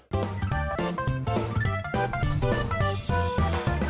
โปรดติดตามตอนต่อไป